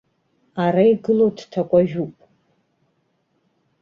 Ара игылоу дҭакәажәуп.